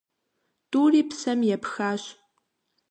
ТӀури псэм епхащ.